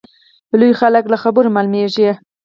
لوی خلک له خبرو معلومیږي.